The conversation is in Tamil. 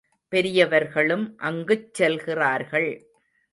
பெரியவர்களும் அங்குச் செல்கிறார்கள்.